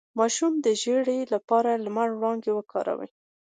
د ماشوم د ژیړي لپاره د لمر وړانګې وکاروئ